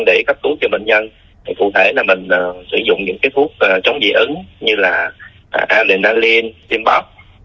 để cấp cứu cho bệnh nhân thì cụ thể là mình sử dụng những cái thuốc chống dị ứng như là adenaline timbop